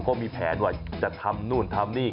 ก็มีแผนไว้จะทำนู่นนี่